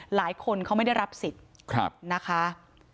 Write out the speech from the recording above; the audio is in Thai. หลายคนเขาไม่ได้รับสิทธิ์นะคะ